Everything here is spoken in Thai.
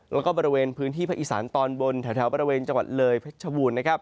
และบริเวณพื้นที่พระอิสรรค์ตอนบนแถวบริเวณจังหวัดเลยพรรชบูรณ์